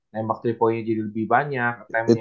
nembak tipe jadi lebih banyak